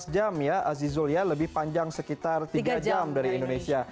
dua belas jam ya azizul ya lebih panjang sekitar tiga jam dari indonesia